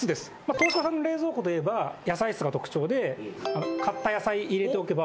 東芝さんの冷蔵庫といえば野菜室が特徴で買った野菜入れておけば。